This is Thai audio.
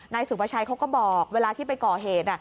นายสุประชัยเขาก็บอกเวลาที่ไปก่อเหตุ